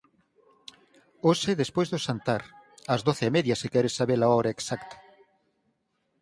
Hoxe, despois do xantar; ás doce e media, se quere saber a hora exacta…